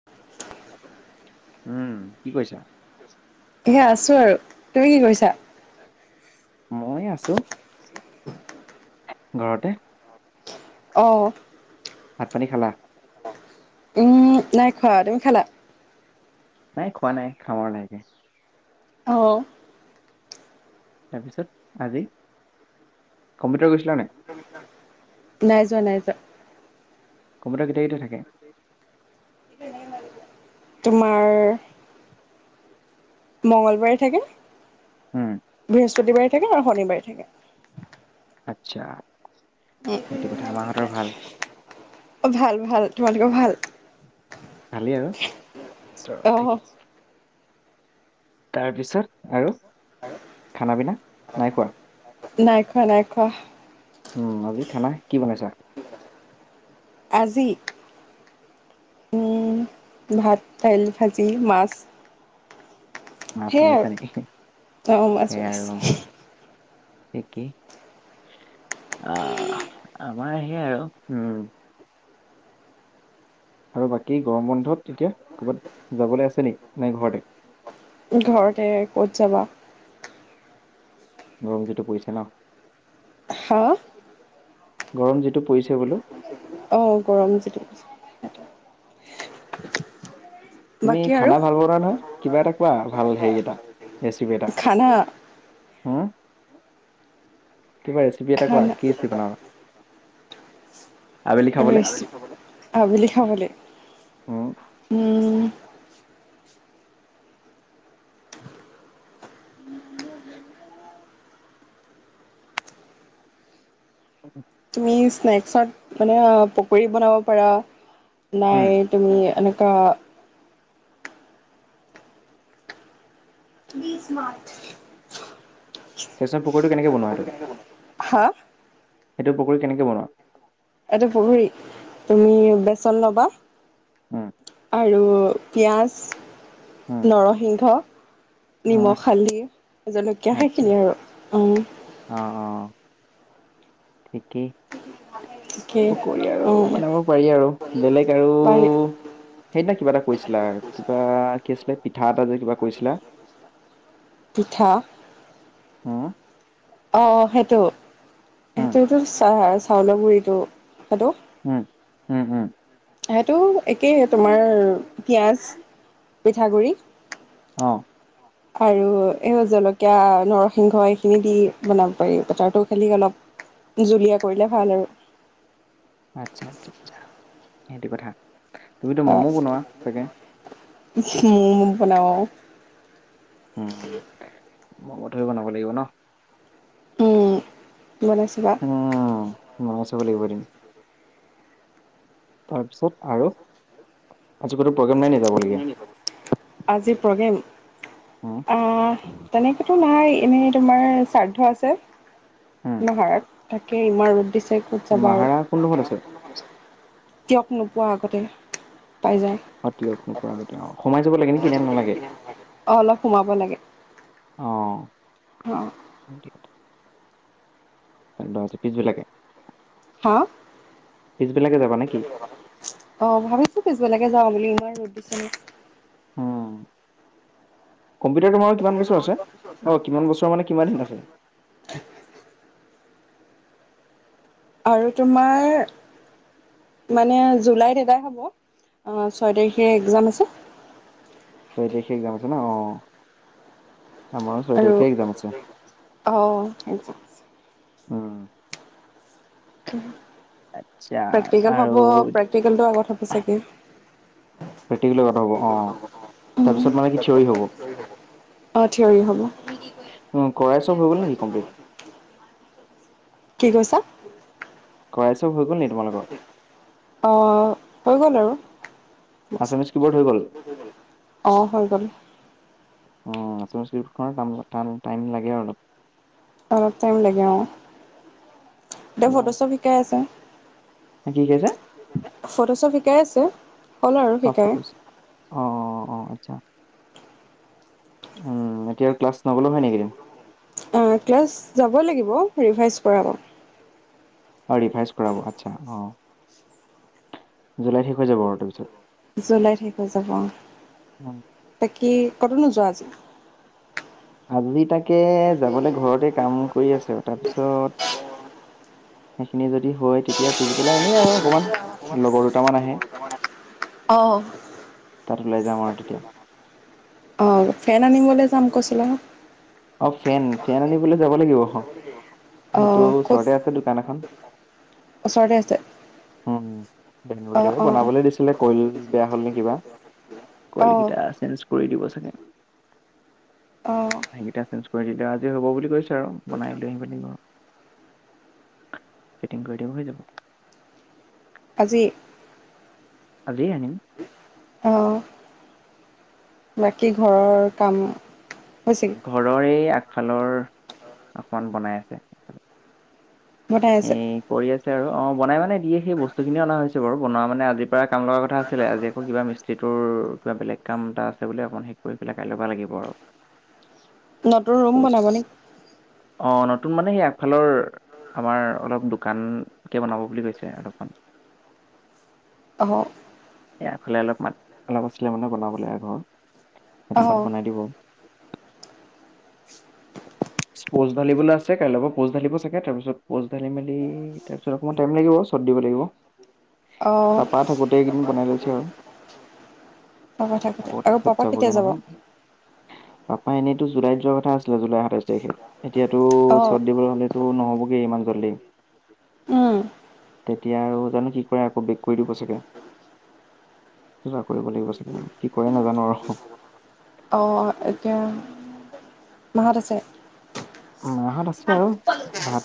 [unintelligible] উম, কি কৰিছা? এয়া আছো আৰু তুমি কি কৰিছা? মই এই আছো ঘৰতে। অঁ'। ভাত পানি খালা? উম, নাইখোৱা তুমি খালা? নাই খোৱা নাই খাম আৰু লাহে লাহে। অঁ'। তাৰপিছত আজি কম্পিউটাৰ গৈছিলা নে নাই? [inaudible] নাই যোৱা নাই যোৱা। কম্পিউটাৰ কেতিয়া কেতিয়া থাকে? [unintelligible] তোমাৰ মঙলবাৰে থাকে উম, বৃহস্পতিবাৰে থাকে আৰু শনিবাৰে থাকে। আচ্ছা এইটো কথা মা হতৰ ভাল? অ', ভাল ভাল তোমালোকৰ ভাল? ভালেই আৰু আছোঁ আৰু অ', ঠিকেই। তাৰপিছত আৰু খানা পিনা নাই খোৱা? নাই খোৱা নাই খোৱা। উম, আজি খানা কি বনাইছা? আজি। উম, ভাত দাইল ভাজি মাছ। মাছ সেইয়াই বনাইছা নেকি? আৰু অ', মাছ সেয়াই আৰু বনাইছিলে। একেই। অ', আমাৰ সেই আৰু উম। আৰু বাকী গৰম বন্ধত এতিয়া ক'ৰবাত যাবলৈ আছে নেকি নে ঘৰতে? ঘৰতে ক'ত যাবা। গৰম যিটো পৰিছে ন? হা? গৰম যিটো পৰিছে বোলো। অ', গৰম যিটো পৰিছে। তুমি বাকী আৰু খানা ভাল বনোৱা নহয় কিবা এটা কোৱা ভাল হেৰি এটা ৰেচিপি এটা। খানা হ কিবা ৰেচিপি এটা কোৱা খানা কি ৰেচিপি বনাবা। আবেলি খাবলে ৰেচিপি আবেলি খাবলৈ উম উম তুমি স্নেক্সত মানে পকৰী বনাব পাৰা। নাই উম তুমি এনেকুৱা বি মাৰ্চট। [unintelligible] পকৰিটো কেনেকে বনোৱা হেতু? হা? সেইটো পকৰী কেনেকৈ বনোৱা? এইটো পকৰী তুমি বেচন লবা। উম আৰু পিয়াজ উম নৰসিংহ উম নিমখ হালধি জলকীয়া আচ্ছা সেইখিনি আৰু উম। অ', অ', থিকেই। [unintelligible] পকৰি আৰু উম, বনাব পাৰি আৰু বেলেগ আৰু পাৰি সেইদিনা কিবা এটা কৈছিলা কিবা কি আছিলে পিঠা এটা যে কিবা কৈছিলা। পিঠা হা? অ, সেইটো উম সেইটোটো চ চাউলৰ গুডৰিটো সেইটো ওম, ওম, ওম, তটো একেই তোমাৰ পিঁয়াজ পিঠাগুড়ি অ, আৰু এই জলকীয়া নৰসিংহ এইখিনি দি বনাব পাৰি বেটাৰটো খেলি অলপ জুলীয়া কৰিলে ভাল আৰু। আচ্ছা আচ্ছা আচ্ছা সেইটো কথা তুমিতো মমো বনোৱা চাগে? মমো বনাওঁ। উ, মমঠৈ বনাব লাগিব ন? উম বনাই চাবা উম, বনাই চাব লাগিব এদিন। তাৰপিছত আৰু আজি কোনো প্ৰগ্ৰেম নাই নে যাবলগীয়া? আজিৰ প্ৰগ্ৰেম? উম, তেনেকৈ নহাই এনেই তোমাৰ শ্ৰাদ্ধ আছে। উম। নাহাৰত তাকে ইমান ৰদ দিছে। ক'ত যাবা মাহাৰা কোনডখ আছে? ক নোপোৱা আগতে পাই যায়। অ, [inaudible] সোমাই যাব লাগে নেকি নে নালাগে? অ, অলপ সোমাব লাগে। অ, অ [inaudible] বিলাকে হা? পিছবিলাকে যাবা নেকি? অ, ভাবিছো পিছবেলকে যাওঁ বুলি ই ৰদ দিছে। হম, কম্পিউটাৰ কমাৰৰ কিমান বছৰ আছে অ কিমান বছৰ মানে কিমান আছে? আৰু তোমাৰ মানে জুলাইত এটাই হ'ব। অ, ছয় তাৰিখে একজাম আছে। তই এতিয়া শেষ যাম আছে ন? অ, আমাৰো ছয় আৰু তাৰিখেই একজাম আছে। অঁ হম। প্ৰেক্টিকেল আৰু হ'ব প্ৰেক্টিকেলটো আগত প্ৰেক্টিকেলৰ কথা অ', হ'ব তাৰপিছত মানে কি চাগে। থিয়ৰী হ'ব? উম, অ, থিয়ৰি হ'ব। অ, কৰাই চব হৈ গল নেকি কমপ্লিট? কি কৈছা? কৰাই চব হৈ গ'ল নেকি তোমালোকৰ? অ, হৈ গ'ল আৰু। আছামিছ কিবৰ্ড হৈ গ'ল অ, হৈ গ'ল। অ, [inaudible] টাইম লাগে আৰু অলপ। অলপ টাইম লাগে অ, দে সেয়া ফটো চব শিকাই আছে। কি শিকাইছে? ফটো চপ শিকাই আছে। হ'ল আৰু হফ শিকাই ফটোচ অ, অ, আচ্ছা। উম, এতিয়া আৰু ক্লাছ নবলৈ হয় নেকিদিন? অ, ক্লাছ যাব লাগিব ৰিভাইজ কৰাব। অ, ৰিভাইজ কৰাব আচ্ছা অ। জুলাই শেষ হৈ যাব আৰু তাৰপিছত? জুলাইত শেষ হৈ যাব অ, বাকী ক'ত নোযোৱা আজি? আজি তাকে যাবলৈ ঘৰতে কাম কৰি আছোঁ তাৰপিছত সেইখিনি যদি হয় তেতিয়া পিছবেলা এনেই আৰু অকমান লগৰ দুটামান আহে, অ'। তাত লৈ যাম আৰু তেতিয়া। অ' ফেন আনিবলৈ যাম কৈছিলা। অ' ফেন, ফেন আনিবলৈ যাব লাগিব। সেইটো অঁ ক'ত ওচৰতে আছে দোকান এখন। ওচৰতে আছে অঁ অ'। অঁ বনাবলৈ দিছিলে কইল বে হ'ল নে কিবা, কইল অ', কিতা চাঞ্চ কৰি দিব চাগে। অ'। সেইকেইটা চেঞ্জ কৰি দিলেঁ আজি হ'ব বুলি কৈছে আৰু বনাই লৈ আহিব লাগিব। ফিটিং কৰি দিব হৈ যাব। আজি? আজিয়ে আনিম। অ'। বাকী ঘৰৰ কাম হৈছে? ঘৰৰে এই আগফালৰ আকমান বনাই আছে। বনাই এ আছে কৰি আছে আৰু অ' বনাই মানে দিয়ে সেই বস্তুখিনিও অনা হৈছে বাৰু বনোৱা মানে আজিৰ পৰা কাম লগা কথা আছিলে আজি আকৌ কিবা মিছ ত্ৰিটোৰ কিবা বেলেগ কাম এটা আছে বুলি অকমান শেষ কৰি পেলাই কাইলৈপা লাগিব আৰু। নতুন ৰুম পষ্ট বনাব নেকি? অ' নতুন মানে সেই আগফালৰ আমাৰ অলপ দোকানকৈ বনাব বুলি কৈছে আলপখন। অ'। এয়াফালে অলপ মাত অলপ আছিলে মানে বনাব লাগা ঘৰ সেইডোখৰত অ', বনাই দিব। প'ষ্ট ঢালিবলে আছে কাইলৈৰ প'ষ্ট ধালিব চাগে তাৰিছত পোচ ঢালি মেলি তাৰপিছত অকণমান টাইম লাগিব চ'ড দিব লাগিব। অ', পাপা থাকোঁতে এই কিনি বনাই লৈছে আৰু। পাপা থাকোতে আকৌ আৰু [unintelligible] পাপা কেতিয়া জাবগে যাব নহয়। পাপা এনেইটো জুলাইত যোৱা কথা আছিলে জুলাই সাতাইছ তাৰিখে। এতিয়াতো অ', চত দিবলৈ হ'লেতো নহ'বগে ইমান জল্দি। উম, তেতিয়া আৰু জানো কি কৰে আকৌ বেক কৰি দিব চাগে। কিবা কৰিব লাগিব চাগে আও কি কৰে নাজানো আৰু। অ' এতিয়া মাহত আছে? অ' মাহত আছ আৰু ভাত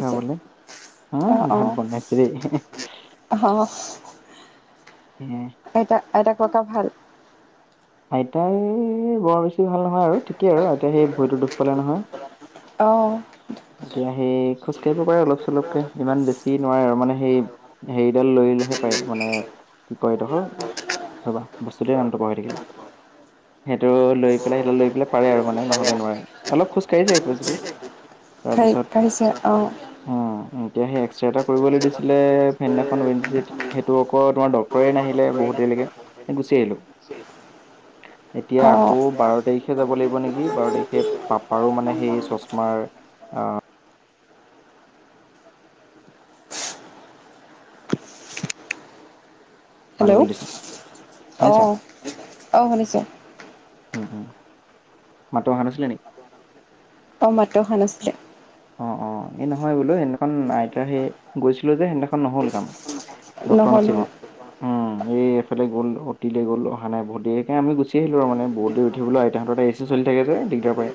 খাবলৈ হা অ', ভাত অ', বনাইছে দেই। অ'। [unintelligible] আইতা-আইতা ককা ভাল? আইতা এ বৰ বেছি ভাল নহয় আৰু ঠিকেই আৰু আইতাই সেই ভয়টোৰ দুখ পালে নহয়। অ'। এতিয়া সেই খোজকাঢ়িব পাৰে অলপ চলপকে ইমান বেছি নোৱাৰে আৰু মানে সেই হেৰিডাল লৈলেহে পাৰে মানে কি কয় আইদসৰ ৰবা বস্তুটোৱে নামটো পাহৰি থাকিলোঁ। সেইটো লৈ পেলাই সেইটো লৈ পেলাই পাৰে আৰু মানে নহলে নোৱাৰে, অলপ খোজ কঢ়ি যায় পোজুজ খাই কাঢ়িছে অ'। অ' এতিয়া সেই এক্সৰে এটা কৰিবলৈ দিছিলে ফেদিনাখন ৱিনচিত। সেইটো আকৌ তোমাৰ ডক্তৰে নাহিলে বহুত দেৰিলৈকে, গুচি আহিলোঁ। এতিয়া অ', আকৌ বাৰ তাৰিখে যাব লাগিব নেকি বাৰ তাৰিখে পাপাৰো মানে সেই চশমাৰ অ'। ভাল হেল্ল' হ'বলে দিছে, শুনিছা? অ', অ', শুনিছোঁ। উম উম। মাতটো অহা নাছিলে নি? অ', মাতটো অহা নাছিলে। অ', অ', এই নহয় বোলো সিদিনাখন আইতাৰ সেই গৈছিলোঁ যে সিদিনাখন নহ'ল কাম। ডক্টৰ নহয় নাছিলে। নহয় উম এই এইফালে গ'ল, অটিলে গ'ল। অহা নাই বহুত দেৰি। একে আমি গুচি আহিলোঁ। আৰু মানে বহুত দেৰি ৰৈ থাকিবলৈ আইতাহঁতৰ এতিয়া এজ চলি থাকে যে দিগদাৰ পায়।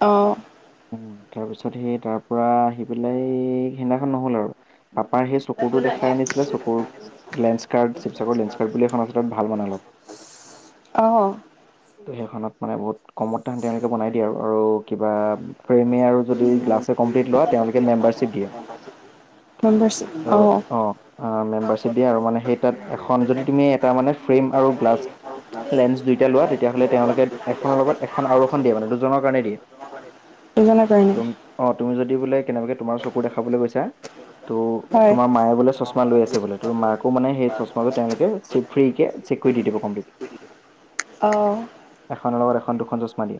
অ'। উম, তাৰপিছত সেই তাৰ পৰা আহি পেলাই সেইদিনাখন নহ'ল আৰু। পাপাৰ সেই চকুটো দেখাই আনিছিলে চকুৰ লেন্সকাৰ্ড চিবচাগৰত লেন্সকাৰ্ড বুলি এখন আছলত ভাল মানে অলপ। অ', তো সেইখনত মানে বহুত কমত তাহাঁতে এনেকে বনাই দিয়ে আৰু কিবা ফ্ৰেমে আৰু যদি গ্লাছে কমপ্লিট লোৱা তেওঁলোকে মেম্বাৰশ্বিপ দিয়ে। অ', অ'। অহ, মেম্বাৰশ্বিপ দিয়ে আৰু মানে সেই তাত এখন যদি তুমি এটা মানে ফ্ৰেম আৰু গ্লাছ লেন্স দুইটা লোৱা তেতিয়াহ'লে তেওঁলোকে এখনৰ লগত এখন আৰু এখন দিয়ে, মানে দুজনৰ কাৰণে দিয়ে। বুজা নাই। তুম অ', তুমি যদি বোলে কেনেবাকে তোমাৰ চকু দেখাবলৈ গৈছা তো হয়। তোমাৰ মায়ে বোলে চছ চছমা লৈ আছে বোলে তো মাকো মানে সেই চছমাযোৰ তেওঁলোকে চিত ফ্ৰী কে চেক কৰি দি দিব কমপ্লিট। [inaudible] অ'। এখনৰ লগত এখন দুখন চছমা দিয়ে।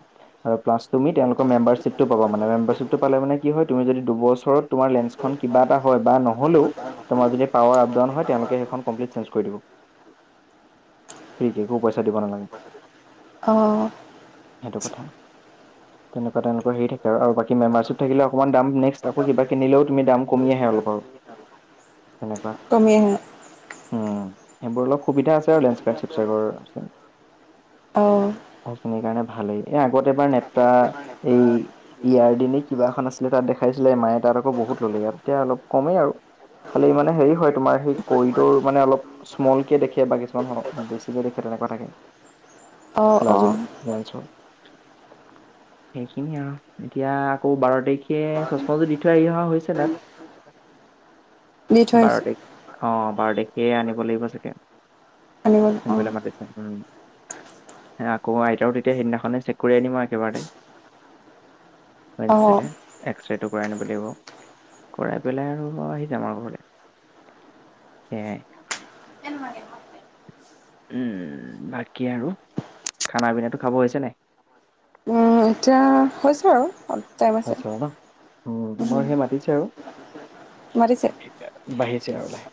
আৰু প্লাছ তুমি তেওঁলোকৰ মেম্বাৰশ্বিপটো পাবা। মানে মেম্বাৰশ্বিপটো পালে মানে কি হয় তুমি যদি দুবছৰত তোমাৰ লেন্ঞ্চখন কিবা এটা হয় বা নহ'লেও তোমাৰ যদি পাৱাৰ আপ-ডাউন হয়, তেওঁলোকে সেইখন কমপ্লিট চেঞ্জ কৰি দিব। ফ্ৰীকে, একো পইচা দিব নালাগে। অ'। সেইটো কথা। তেনেকুৱা তেওঁলোকৰ হেৰি থাক আৰু বাকী মেম্বাৰশ্বিপ থাকিলে অকমান দাম, নেক্সট আকৌ কিবা কিনিলেও তুমি দাম কমি আহে অলপ আৰু। তেনেকুৱা। কমি আহে। উম। সেইবোৰ অলপ সুবিধা আছে আৰু লেঞ্চকাৰ্ত চিবচাগৰৰ আছে। অ'। অফখিনিৰ কাৰণে ভালেই। এই আগত এবাৰ নেত্ৰা এই ইয়াৰ দি নে কিবা এখন আছিলে তাত দেখাইছিলে মায়ে। তাত আকৌ বহুত ল'লে। ইয়াতে অলপ কমেই আৰু। খালি মানে হেৰি হয় তোমাৰ সেই কৰিডৰ মানে অলপ স্মলকে দেখে বা কিছুমান বেছিকে দেখে তেনেকুৱা থাকে। অ', লাজো অ', লেন্সৰ। সেইখিনিয়ে আৰু। এতিয়া আকৌ বাৰ তাৰিখে চছমাযোৰ দি থৈ আহি অহা হৈছে তাত। দি থৈ বাৰ আহিছোঁ তাৰিখ। অ', বাৰ তাৰিখে আনিব লাগিব চাগে। আনিব অনিবলে অ', মাতিছ উম। আকৌ আইতাও তেতিয়া সেইদিনাখনেই চেক কৰি আনিম আৰু একেবাৰেতে। অ', ৱাইনচিতে এক্স ৰেটো কৰাই আনিব লাগিব। কৰাই পেলাই আৰু আহি যাম আৰু ঘৰলে। সেয়াই। [unintelligible] বাকী আৰু খানা-পিনাটো খাব হৈছে নে? মজা হৈছে আৰু টাইম আছে হৈছে আৰু ন? উম, মই সেই মাতিছে আৰু। মাতিছে? বাঢ়িছে আৰু ওলাই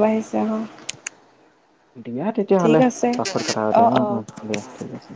বাঢ়িছে আহা দিয়া তেতিয়াহ'লে আছে পাছত কথা অ', পতিম উম অ', উম দিয়া ঠিক আছে